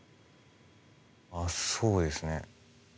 あっそうですね。